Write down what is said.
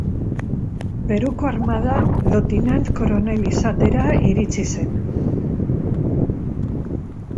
Peruko armadan lotinant koronel izatera iritsi zen.